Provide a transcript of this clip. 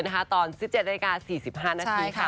ตอน๑๗ดำเนืคา๔๕นาทีค่ะ